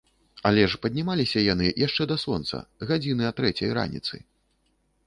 Але ж і паднімаліся яны яшчэ да сонца, гадзіны а трэцяй раніцы.